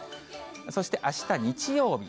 そしてあした日曜日。